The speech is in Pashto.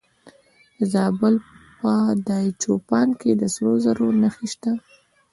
د زابل په دایچوپان کې د سرو زرو نښې شته.